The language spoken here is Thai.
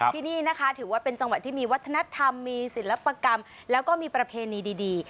ที่นี่นะคะถือว่าเป็นจังหวัดที่มีวัฒนธรรมมีศิลปกรรมแล้วก็มีประเพณีดี